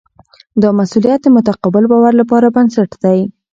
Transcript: دا مسؤلیت د متقابل باور لپاره بنسټ دی.